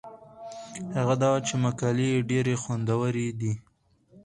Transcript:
هغه دا وه چې مکالمې يې ډېرې خوندورې دي